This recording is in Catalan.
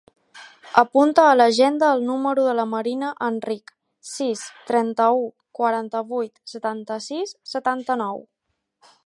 Apunta a l'agenda el número de la Marina Enrich: sis, trenta-u, quaranta-vuit, setanta-sis, setanta-nou.